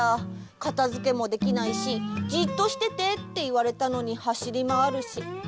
かたづけもできないし「じっとしてて」っていわれたのにはしりまわるし。